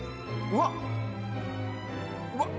うわっ！